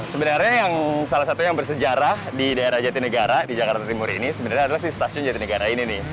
sebenarnya salah satu yang bersejarah di daerah jatinegara di jakarta timur ini sebenarnya adalah stasiun jatinegara ini nih